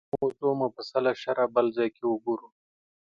دې موضوع مفصله شرحه بل ځای کې وګورو